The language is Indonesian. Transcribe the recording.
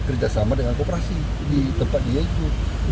kerjasama dengan kooperasi di tempat dia ikut